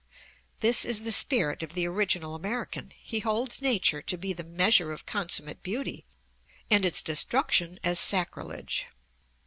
This is the spirit of the original American. He holds nature to be the measure of consummate beauty, and its destruction as sacrilege.